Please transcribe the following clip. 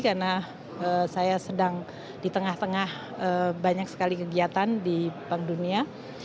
karena saya sedang ditengah tengah banyak sekali kegiatan di bank dunia